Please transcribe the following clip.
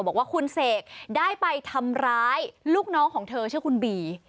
บอกว่าคุณเสกได้ไปทำร้ายลูกน้องของเธอชื่อคุณบี